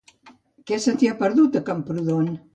Què se t'hi ha perdut, a Camprodon?